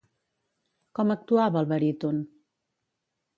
Com actuava el baríton?